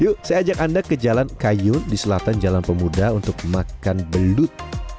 yuk saya ajak anda ke jalan kayun di selatan jalan pemuda untuk makan belut